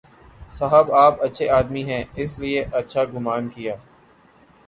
صاحب آپ اچھے آدمی ہیں، اس لیے اچھا گمان کیا۔